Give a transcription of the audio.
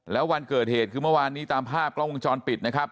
แล้ววันเกิดเหตุคือเมื่อวานนี้ตามภาพกล้องวงจรปิดนะครับ